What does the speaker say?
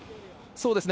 そうですね。